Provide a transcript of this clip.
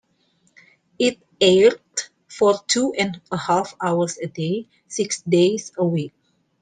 It aired for two and a half hours a day, six days a week.